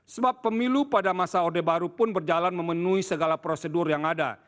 sebab pemilu pada masa orde baru pun berjalan memenuhi segala prosedur yang ada